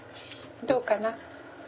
どうかな？